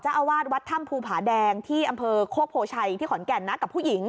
อาวาสวัดถ้ำภูผาแดงที่อำเภอโคกโพชัยที่ขอนแก่นนะกับผู้หญิง